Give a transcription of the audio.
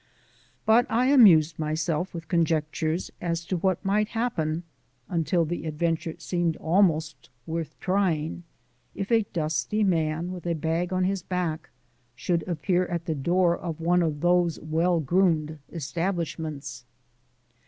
But I amused myself with conjectures as to what might happen (until the adventure seemed almost worth trying) if a dusty man with a bag on his back should appear at the door of one of those well groomed establishments.